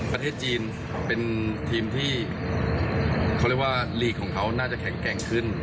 ประเทศจีนเป็นทีมที่เขาเรียกว่าลีกของเขาน่าจะแข็งแกร่งขึ้น